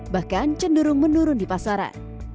bahkan cenderung menurun di pasaran